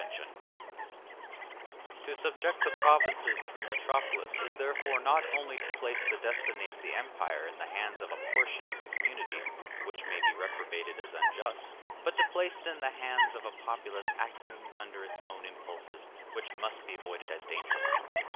]] To subject the provinces to the metropolis is therefore not only to place the destiny of the empire in the hands of a portion of the community, which may be reprobated as unjust, but to place it in the hands of a populace acting under its own impulses, which must be avoided as dangerous.